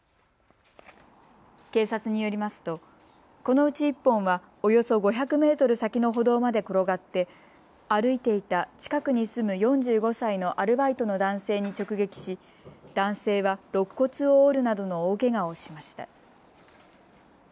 警察によりますとこのうち１本はおよそ５００メートル先の歩道まで転がって歩いていた近くに住む４５歳のアルバイトの男性に直撃し男性は、ろっ骨を折るなどの大けがをしました。